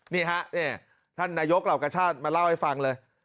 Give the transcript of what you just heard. นี่ฮะท่านนายกเหล่ากระชาติมาเล่าให้ฟังเลย